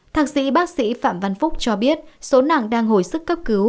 thạc sĩ bác sĩ phạm văn phúc cho biết số nặng đang hồi sức cấp cứu